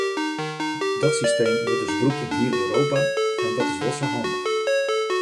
Dat systeem wurdt dus brûkt yn hiel Europa, en dat is wol sa handich.